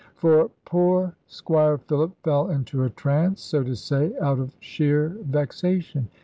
For poor Squire Philip fell into a trance, so to say, out of sheer vexation.